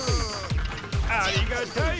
ありがたい。